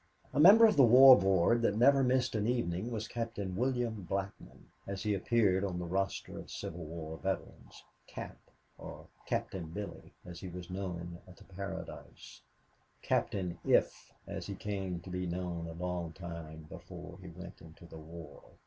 A member of the War Board that never missed an evening was Captain William Blackman, as he appeared on the roster of Civil War veterans; "Cap" or "Captain Billy" as he was known at the Paradise "Captain If" as he came to be known a long time before we went into the war.